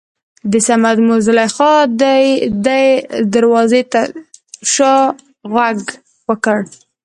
دصمد مور زليخا دې دروازې تر شا غږ وکړ.